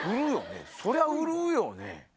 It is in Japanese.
そりゃ売るよね。